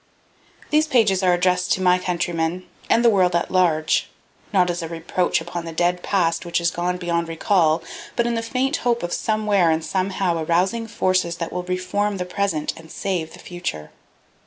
These pages are addressed to my countrymen, and the world at large, not as a reproach upon the dead Past which is gone beyond recall, but in the faint hope of somewhere and somehow arousing forces that will reform the Present and save the Future.